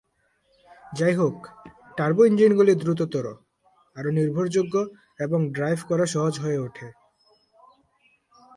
যাইহোক, টার্বো ইঞ্জিনগুলি দ্রুততর, আরও নির্ভরযোগ্য এবং ড্রাইভ করা সহজ হয়ে ওঠে।